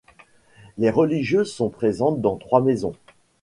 Les religieuses sont présentes dans trois maisons.